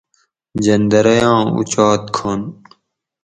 جندرئ آں اُچات کھن